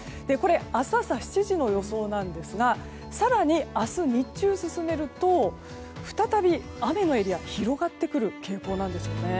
明日朝７時の予想ですが更に、明日日中に進めると再び雨のエリア広がってくる傾向なんですよね。